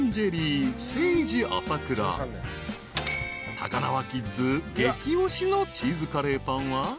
［高輪キッズ激推しのチーズカレーパンは］